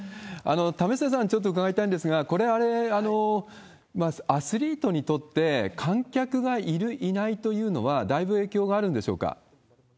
為末さん、ちょっと伺いたいんですが、これ、アスリートにとって観客がいる、いないというのは、だいぶ影響があるんでしょうか？